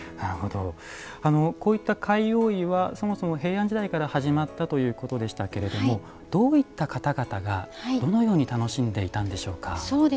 こういった貝覆いはそもそも平安時代から始まったということでしたけれどもどういった方々がどのように楽しんでいたんでしょうか。